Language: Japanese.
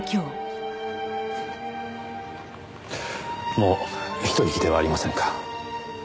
もう一息ではありませんか。